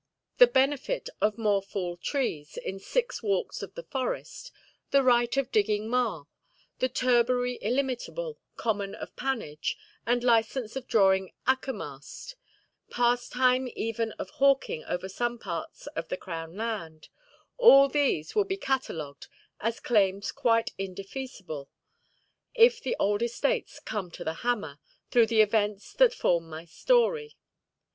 The benefit of Morefall trees in six walks of the forest, the right of digging marl, and turbary illimitable, common of pannage, and license of drawing akermast, pastime even of hawking over some parts of the Crown land,—all these will be catalogued as claims quite indefeasible, if the old estates come to the hammer, through the events that form my story.